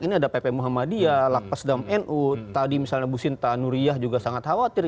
tapi ada pp muhammadiyah lhkpn tadi misalnya businta nuriyah juga sangat khawatir